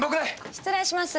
失礼します！